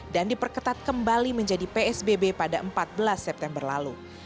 dan diperketat kembali menjadi psbb pada empat belas september lalu